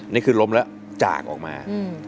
นี่คือล้มแล้วจากออกมา